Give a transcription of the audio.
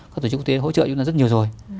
các tổ chức quốc tế hỗ trợ chúng ta rất nhiều rồi